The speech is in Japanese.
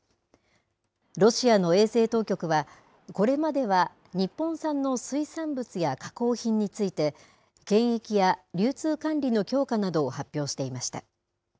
ロシアの衛生当局は、これまでは日本産の水産物や加工品について、検疫や流通管理の強化などを発表していました。